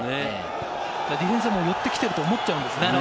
ディフェンスは寄ってきていると思っちゃうんですよね。